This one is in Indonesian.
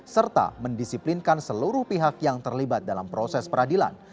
serta mendisiplinkan seluruh pihak yang terlibat dalam proses peradilan